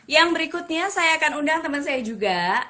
yang berikutnya saya akan undang teman saya juga